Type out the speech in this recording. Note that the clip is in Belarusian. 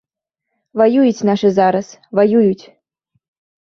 Ваююць нашы зараз, ваююць.